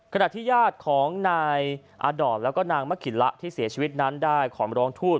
ขณะที่ญาติของนายอาดอนแล้วก็นางมะขินละที่เสียชีวิตนั้นได้ขอร้องทูต